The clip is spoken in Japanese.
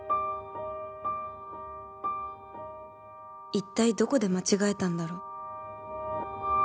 一体どこで間違えたんだろう